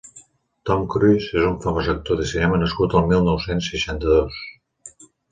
Tom Cruise és un famós actor de cinema nascut el mil nou-cents seixanta-dos.